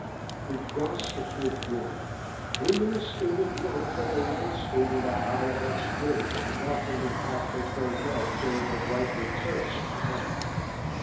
We crossed the clipped green, luminous in the glow from the lights over the high arched gate marking the path that curved up toward the bright lit terraces above.